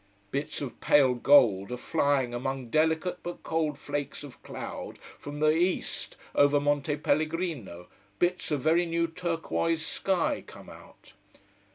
Bits of pale gold are flying among delicate but cold flakes of cloud from the east, over Monte Pellegrino, bits of very new turquoise sky come out.